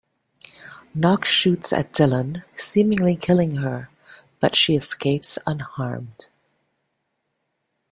Knox shoots at Dylan, seemingly killing her, but she escapes unharmed.